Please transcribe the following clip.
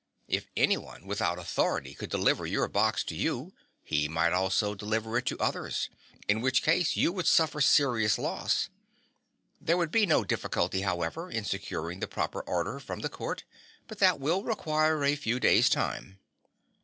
If anyone, without authority, could deliver your box to you, he might also deliver it to others, in which case you would suffer serious loss. There will be no difficulty, however, in securing the proper order from the court; but that will require a few days' time."